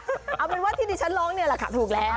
เอาเป็นว่าที่ดิฉันร้องเนี่ยแหละค่ะถูกแล้ว